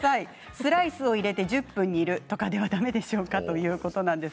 スライスを入れて１０分煮るとかではだめですかということです。